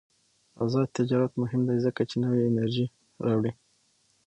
آزاد تجارت مهم دی ځکه چې نوې انرژي راوړي.